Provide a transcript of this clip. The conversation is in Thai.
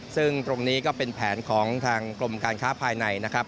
ซึ่งตรงนี้ก็เป็นแผนของทางกรมการค้าภายในนะครับ